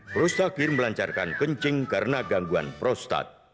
prostakir melancarkan kencing karena gangguan prostat